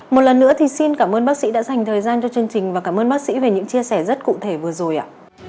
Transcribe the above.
một lần nữa thì xin cảm ơn bác sĩ đã dành thời gian cho chương trình và cảm ơn bác sĩ về những chia sẻ rất cụ thể vừa rồi ạ